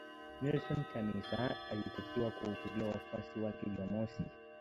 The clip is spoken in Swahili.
Nelson Chamisa, alitakiwa kuhutubia wafuasi wake Jumamosi